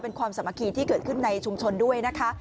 เป็นความสามัคคีที่เกิดขึ้นในชุมชนด้วยนะคะ